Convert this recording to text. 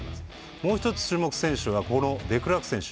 もう１つ、注目選手がデクラーク選手。